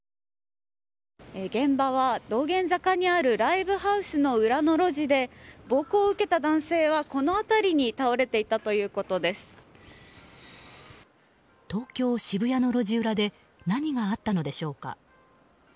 現場は道玄坂にあるライブハウスの裏の路地で暴行を受けた男性はこの辺りに東京・渋谷の路地裏で何があったのでしょうか。